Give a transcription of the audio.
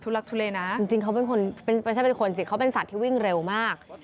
ทุลักธุเลนะเขาเป็นคนจริงว่าใช่เป็นสัตว์ที่วิ่งเร็วมาก